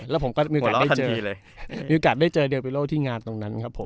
แล้วผมก็มีโอกาสได้เจอมีโอกาสได้เจอเดลเบโลที่งานตรงนั้นครับผม